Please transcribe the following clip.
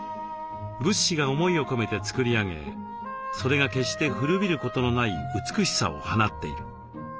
仏師が思いを込めて作り上げそれが決して古びることのない美しさを放っている。